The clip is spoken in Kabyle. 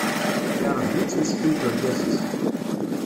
Irhen-itt meskint urgaz-is.